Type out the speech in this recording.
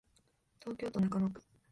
東京都中野区